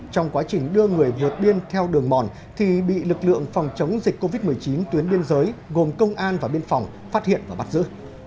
trong quá trình đưa người vượt biên theo đường mòn thì bị lực lượng phòng chống dịch covid một mươi chín tuyến biên giới gồm công an và biên phòng phát hiện và bắt giữ